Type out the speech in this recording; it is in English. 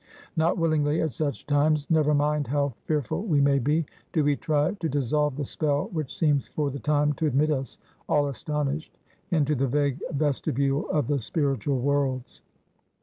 Not willingly, at such times never mind how fearful we may be do we try to dissolve the spell which seems, for the time, to admit us, all astonished, into the vague vestibule of the spiritual worlds.